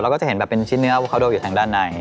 เราก็จะเห็นแบบเป็นชิ้นเนื้อข้าวโดดอยู่ทั้งด้านใน